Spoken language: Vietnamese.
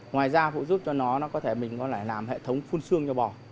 ngoài ra cũng giúp cho nó có thể mình có thể làm hệ thống phun xương cho bò